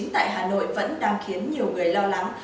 tại hà nội vẫn đang khiến nhiều người lo lắng